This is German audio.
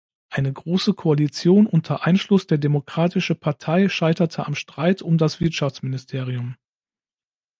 Eine große Koalition unter Einschluss der Demokratische Partei scheiterte am Streit um das Wirtschaftsministerium.